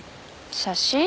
写真？